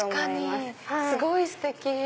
すごいステキ！